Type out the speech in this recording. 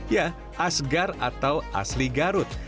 ya asgar atau asli garut